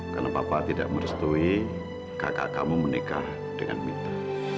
karena bapak tidak merestui kakak kamu menikah dengan mita